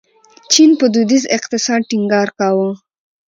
چین په دودیز اقتصاد ټینګار کاوه.